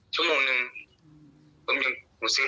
ชั่วโมงหนึ่ง